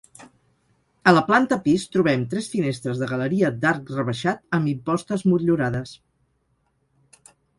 A la planta pis trobem tres finestres de galeria d'arc rebaixat amb impostes motllurades.